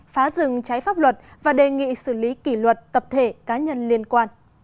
phá rừng trái pháp luật và đề nghị xử lý kỷ luật tập thể cá nhân liên quan